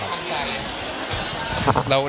คุณค่ะ